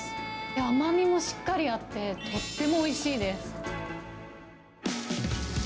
甘みもしっかりあって、とってもおいしいです。